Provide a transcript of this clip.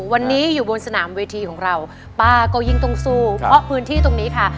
วันนี้อยู่บนสนามเวทีของเราป้าก็ยิ่งต้องสู้เพราะพื้นที่ตรงนี้ค่ะ